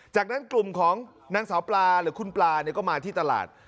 จากนั้นกลุ่มของนางสาวปลาหรือคุณปลาก็มาที่ตลาด